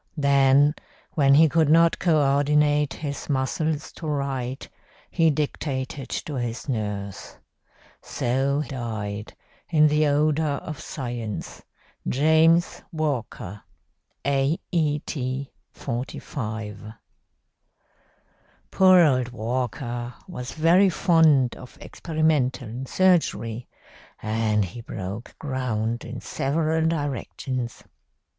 Then, when he could not co ordinate his muscles to write, he dictated to his nurse. So died, in the odour of science, James Walker, aet. 45. "Poor old Walker was very fond of experimental surgery, and he broke ground in several directions.